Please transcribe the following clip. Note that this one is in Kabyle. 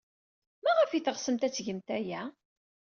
Maɣef ay teɣsemt ad tgemt aya?